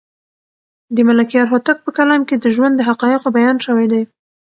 د ملکیار هوتک په کلام کې د ژوند د حقایقو بیان شوی دی.